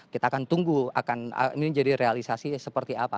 kita akan tunggu ini jadi realisasi seperti apa